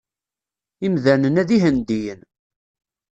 Imdanen-a d Ihendiyen.